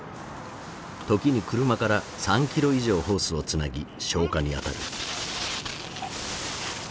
時に車から３キロ以上ホースをつなぎ消火に当たる。